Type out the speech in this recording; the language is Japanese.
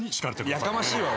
やかましいわ。